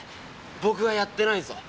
僕はやってないぞ！